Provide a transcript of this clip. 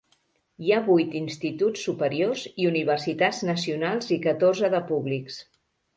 Hi ha vuit instituts superiors i universitats nacionals i catorze de públics.